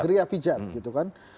giriapijat gitu kan